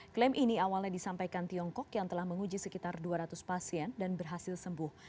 klaim ini awalnya disampaikan tiongkok yang telah menguji sekitar dua ratus pasien dan berhasil sembuh